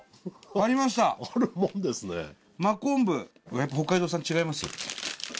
やっぱ北海道産違います？